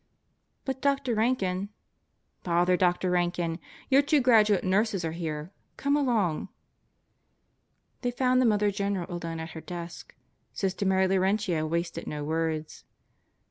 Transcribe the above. "But Doctor Rankin ..." "Bother Doctor Rankin. Your two graduate nurses are here. Come along." They found the Mother General alone at her desk. Sister Mary Laurentia wasted no words.